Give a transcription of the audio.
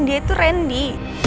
dia tuh randy